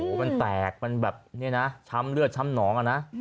โอ้โหมันแตกมันแบบนี้นะช้ำเลือดช้ำหนองอะนะ